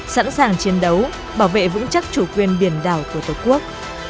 sẵn sàng chiến đấu bảo vệ vững chắc chủ quyền biển đảo của tổ quốc